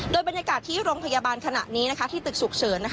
โดยบรรยากาศที่โรงพยาบาลขณะนี้ที่ตึกฉุกเฉิน